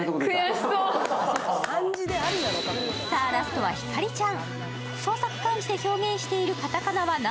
ラストはひかりちゃん。